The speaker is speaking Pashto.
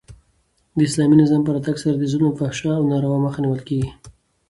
د اسلامي نظام په راتګ سره د ظلم، فحشا او ناروا مخ نیول کیږي.